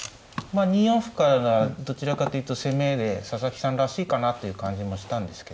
２四歩からならどちらかというと攻めで佐々木さんらしいかなという感じもしたんですけど。